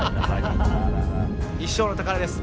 一生の宝です。